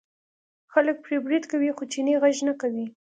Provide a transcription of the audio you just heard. خلک پرې برید کوي خو چینی غږ نه کوي.